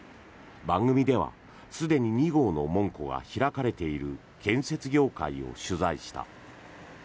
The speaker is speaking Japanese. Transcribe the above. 番組ではすでに２号の門戸が開かれている建設業界を取材した。